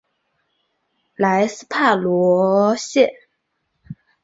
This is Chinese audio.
莱斯帕罗谢。